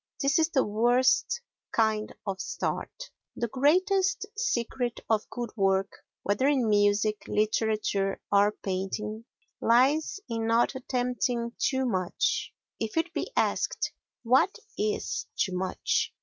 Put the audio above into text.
This is the worst kind of start. The greatest secret of good work whether in music, literature or painting lies in not attempting too much; if it be asked, "What is too much?"